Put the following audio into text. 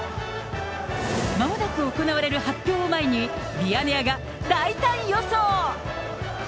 まもなく行われる発表を前に、ミヤネ屋が大胆予想。